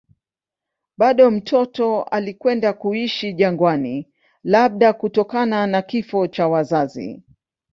Bado mtoto alikwenda kuishi jangwani, labda kutokana na kifo cha wazazi.